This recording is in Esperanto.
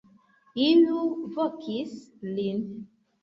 Iu vokis lin.